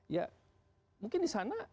ya mungkin di sana